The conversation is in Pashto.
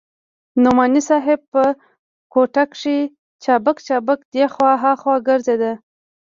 نعماني صاحب په کوټه کښې چابک چابک دې خوا ها خوا ګرځېده.